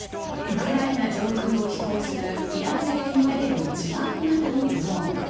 ウクライナ上空を飛行するイラン製とみられる自爆型のドローン。